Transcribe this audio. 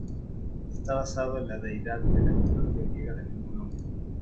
Está basado en la deidad de la mitología griega del mismo nombre.